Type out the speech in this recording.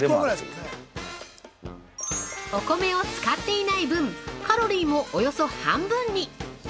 ◆お米を使っていない分、カロリーもおよそ半分に！